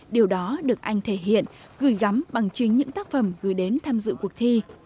điều đó được anh thể hiện gửi gắm bằng chính những tác phẩm gửi đến tham dự cuộc thi